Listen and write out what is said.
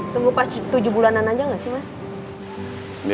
tunggu pas tujuh bulanan aja gak sih mas